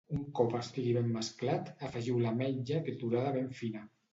Un cop estigui ben mesclat, afegiu l'ametlla triturada ben fina.